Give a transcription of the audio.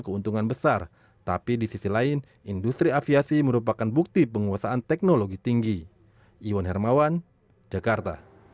keputusan keberhasilan jangan mengekalkan cinta keamanan